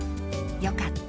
よかった。